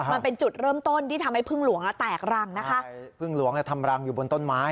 มันเป็นจุดเริ่มต้นที่ทำให้พึ่งหลวงอ่ะแตกรังนะคะพึ่งหลวงเนี่ยทำรังอยู่บนต้นไม้